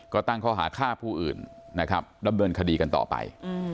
ก็ตั้งข้อหาฆ่าผู้อื่นนะครับดำเนินคดีกันต่อไป